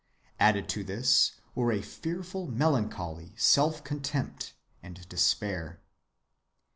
Added to this were a fearful melancholy self‐contempt and despair.